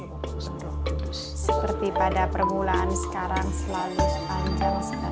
seperti pada permulaan sekarang